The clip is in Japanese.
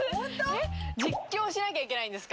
実況しなきゃいけないんですか？